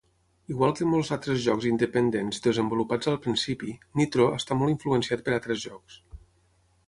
Igual que molts altres jocs independents desenvolupats al principi, "Nitro" està molt influenciat per altres jocs.